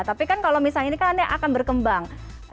tapi kan kalau misalnya ini kan akan berkembang